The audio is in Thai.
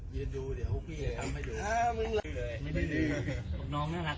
เต้นใส่ขนาดวันเวลาจอดในข้าว